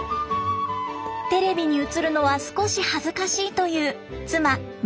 テレビに映るのは少し恥ずかしいという妻まゆみさん。